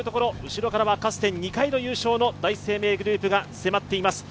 後ろからはかつて２回の優勝の第一生命グループが迫っています。